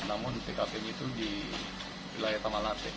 namun di tkp itu di wilayah tamalate